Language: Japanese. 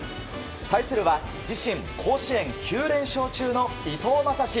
対するは、自身甲子園９連勝中の伊藤将司。